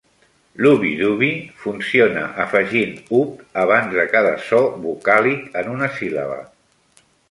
L'Ubbi dubbi funciona afegint "-ub-" abans de cada so vocàlic en una síl·laba.